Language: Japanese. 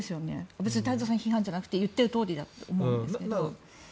別に太蔵さん批判じゃなくて言ってるとおりだとそうね。